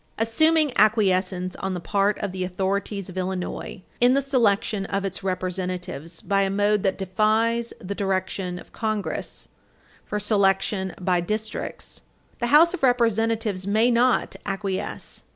Assuming acquiescence on the part of the authorities of Illinois in the selection of its Representatives by a mode that defies the direction of Congress for selection by districts, the House of Representatives may not acquiesce.